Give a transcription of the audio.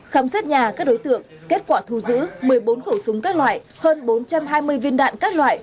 khám xét nhà các đối tượng kết quả thu giữ một mươi bốn khẩu súng các loại hơn bốn trăm hai mươi viên đạn các loại